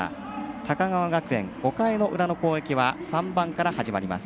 高川学園、５回の裏の攻撃は３番から始まります。